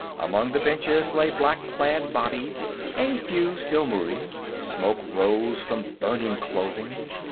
Among the benches lay black clad bodies, a few still moving. Smoke rose from burning clothing.